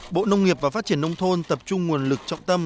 bộ nông nghiệp và phát triển nông thôn tập trung nguồn lực trọng tâm